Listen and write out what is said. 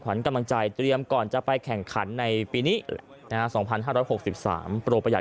ขวัญกำลังใจเตรียมก่อนจะไปแข่งขันในปีนี้๒๕๖๓โปรประหัด